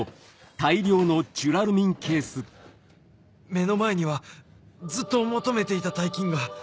目の前にはずっと求めていた大金が